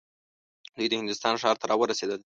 دوی د هندوستان ښار ته راورسېدل.